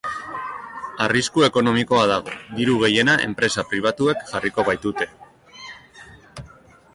Arrisku ekonomikoa dago, diru gehiena enpresa pribatuek jarriko baitute.